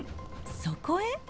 そこへ。